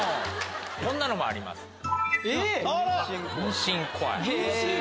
こんなのもあります。